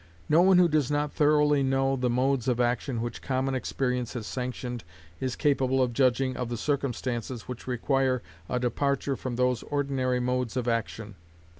No one who does not thoroughly know the modes of action which common experience has sanctioned is capable of judging of the circumstances which require a departure from those ordinary modes of action.